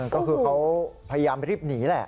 ก็คือเขาพยายามรีบหนีแหละ